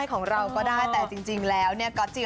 เคียร์พี่เลยแม่